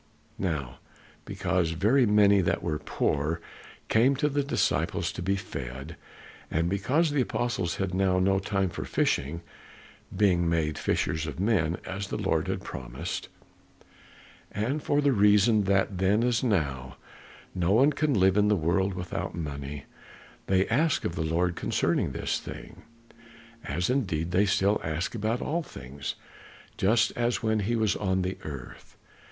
Now because very many that were poor came to the disciples to be fed, and because the apostles had now no time for fishing, being made fishers of men as the Lord had promised, and for the reason that then as now no one can live in the world without money, they asked of the Lord concerning this thing, as indeed they still asked about all things just as when he was on the earth.